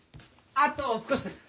あと少しです。